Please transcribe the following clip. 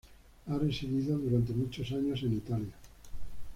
Ha residido durante muchos años en Italia.